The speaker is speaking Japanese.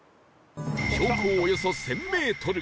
標高およそ１０００メートル